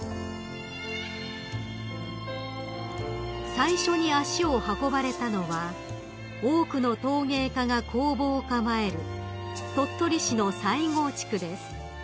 ［最初に足を運ばれたのは多くの陶芸家が工房を構える鳥取市の西郷地区です］